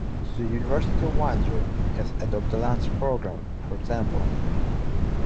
The University of Windsor has an "Adopt-A-Lancer" program, for example.